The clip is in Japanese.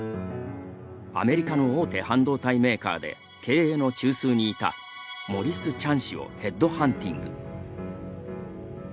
アメリカの大手半導体メーカーで経営の中枢にいたモリス・チャン氏をヘッドハンティング。